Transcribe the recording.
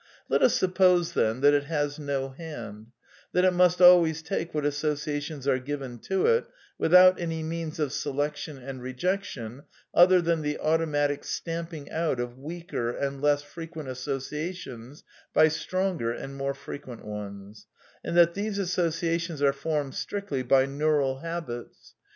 Let us suppose, then, that it has no hand ; that it must always take what associations are given to it, without any means of selection and rejection other than the automatic stamping out of weaker and less frequent associations by stronger and more frequent ones; and that these associa tions are formed stricfly by neural habits.